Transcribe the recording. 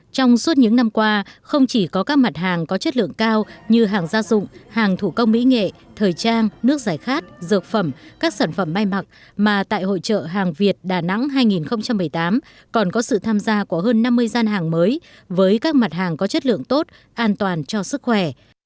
trong suốt những năm qua không chỉ có các mặt hàng có chất lượng cao như hàng gia dụng hàng thủ công mỹ nghệ thời trang nước giải khát dược phẩm các sản phẩm may mặc mà tại hội trợ hàng việt đà nẵng hai nghìn một mươi tám còn có sự tham gia của hơn năm mươi gian hàng mới với các mặt hàng có chất lượng tốt an toàn cho sức khỏe